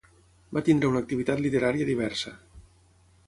Va tenir una activitat literària diversa.